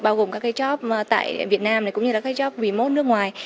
bao gồm các cái job tại việt nam cũng như là các job remote nước ngoài